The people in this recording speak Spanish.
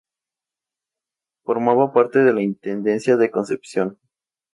Formaba parte de la Intendencia de Concepción.